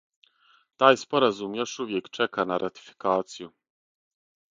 Тај споразум још увијек чека на ратификацију.